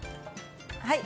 はい！